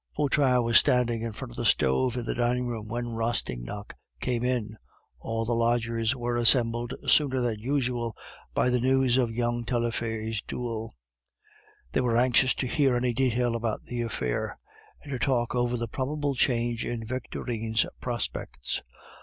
Vautrin was standing in front of the stove in the dining room when Rastignac came in. All the lodgers were assembled sooner than usual by the news of young Taillefer's duel. They were anxious to hear any detail about the affair, and to talk over the probable change in Victorine's prospects.